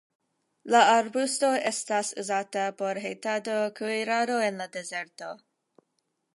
La arbusto estas uzata por hejtado, kuirado en la dezerto.